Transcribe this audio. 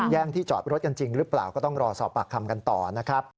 แย่งที่จอดรถกันจริงหรือเปล่าก็ต้องรอสอบปากคำกันต่อนะครับ